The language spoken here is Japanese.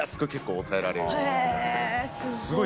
すごい。